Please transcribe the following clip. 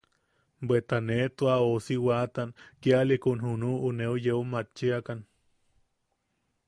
Bweta ne tua ousi a waatan kialiʼikun junuʼu neu yeu machiakan.